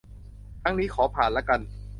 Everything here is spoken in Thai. ครั้งนี้ขอผ่านละกัน